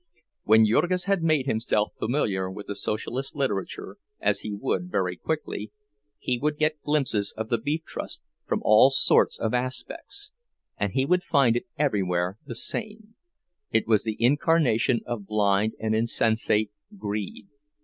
When Jurgis had made himself familiar with the Socialist literature, as he would very quickly, he would get glimpses of the Beef Trust from all sorts of aspects, and he would find it everywhere the same; it was the incarnation of blind and insensate Greed.